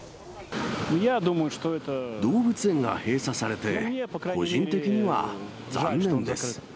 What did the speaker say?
動物園が閉鎖されて、個人的には残念です。